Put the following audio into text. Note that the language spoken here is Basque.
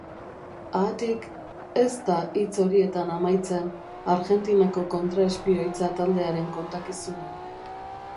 Haatik, ez da hitz horietan amaitzen Argentinako kontraespioitza taldearen kontakizuna.